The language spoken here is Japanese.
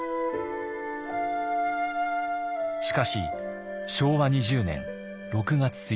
しかし昭和２０年６月１日。